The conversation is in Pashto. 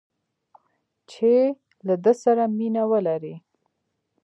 چې له ده سره مینه ولري